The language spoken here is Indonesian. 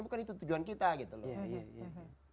bukan itu tujuan kita gitu loh